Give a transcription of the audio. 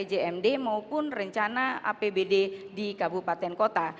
rpjmd maupun rencana apbd di kabupaten kota